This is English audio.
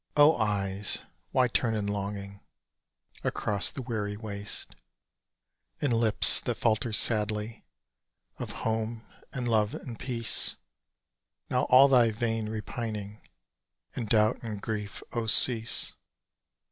O eyes, why turn in longing Across the weary waste? And lips that falter sadly Of home and love and peace, Now all thy vain repining And doubt and grief, oh, cease!